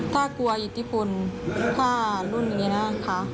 ถ้ากลัวอิทธิพลถ้ารุ่นอย่างนี้นะคะ